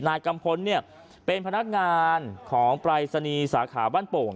นายกัมพลเนี่ยเป็นพนักงานของปรายศนีย์สาขาบ้านโป่ง